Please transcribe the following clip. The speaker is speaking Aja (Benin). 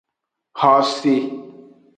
Xose.